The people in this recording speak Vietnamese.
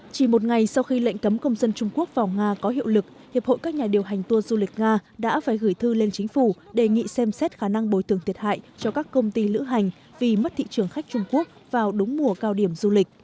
chỉ một ngày sau khi lệnh cấm công dân trung quốc vào nga có hiệu lực hiệp hội các nhà điều hành tour du lịch nga đã phải gửi thư lên chính phủ đề nghị xem xét khả năng bồi tường thiệt hại cho các công ty lữ hành vì mất thị trường khách trung quốc vào đúng mùa cao điểm du lịch